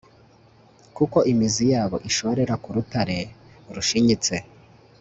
kuko imizi yabo ishorera ku rutare rushinyitse